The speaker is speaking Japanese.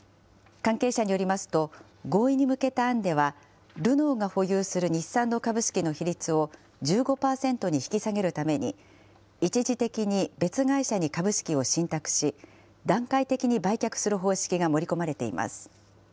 関係者によりますと、合意に向けた案では、ルノーが保有する日産の株式の比率を１５％に引き下げるために、一時的に別会社に株式を信託し、段階的に売却する方式が盛り込まれています。